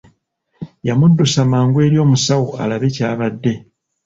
Yamuddusa mangu eri omusawo alabe ky'abadde.